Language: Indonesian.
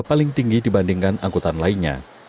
paling tinggi dibandingkan angkutan lainnya